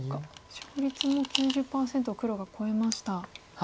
勝率も９０％を黒が超えました。